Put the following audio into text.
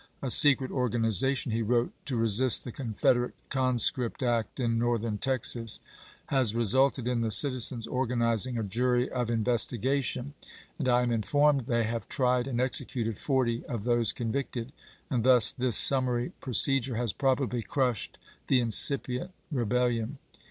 " A secret organiza tion," he wrote, "to resist the [Confederate] con script act in Northern Texas has resulted in the citizens organizing a jury of investigation, and I am informed they have tried and executed forty of those convicted, and thus this summary procedure has probably crushed the incipient rebellion."